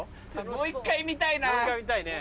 もう１回見たいね。